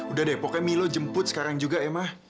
udah deh pokoknya milo jemput sekarang juga ya ma